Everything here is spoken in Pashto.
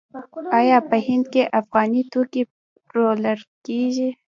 آیا په هند کې افغاني توکي پلورل کیږي؟